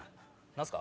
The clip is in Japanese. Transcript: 何すか？